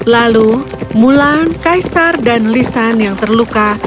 lalu mulan kaisar dan lisan yang terluka